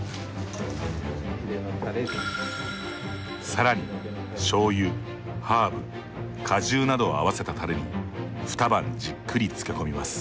更にしょうゆハーブ果汁などを合わせたタレに２晩じっくり漬け込みます。